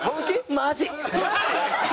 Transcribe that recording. マジ！